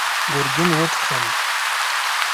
ګرګين وټوخل.